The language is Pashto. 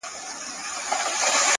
هره تجربه یو نوی دریځ ورکوي,